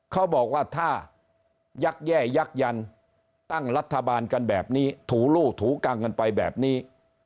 เขาบอกว่าถ้ายักษ์แย่ยักยันตั้งรัฐบาลกันแบบนี้ถูลู่ถูกังกันไปแบบนี้